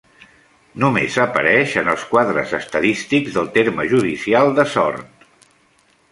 Només apareix en els quadres estadístics del terme judicial de Sort.